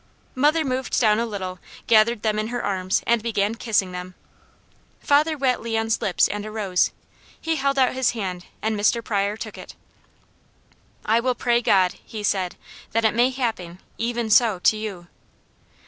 Mother moved down a little, gathered them in her arms, and began kissing them. Father wet Leon's lips and arose. He held out his hand, and Mr. Pryor took it. "I will pray God," he said, "that it may happen 'even so' to you."